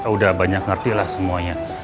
udah banyak ngerti lah semuanya